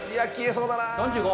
４５。